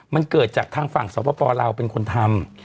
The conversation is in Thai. มันเกิดจากทางฝั่งสปลาวเป็นคนทำ